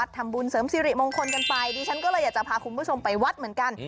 ทำบุญเสริมสิริมงคลกันไปดิฉันก็เลยอยากจะพาคุณผู้ชมไปวัดเหมือนกัน